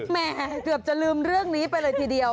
แม่เกือบจะลืมเรื่องนี้ไปเลยทีเดียว